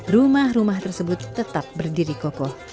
rumah rumah tersebut tetap berdiri kokoh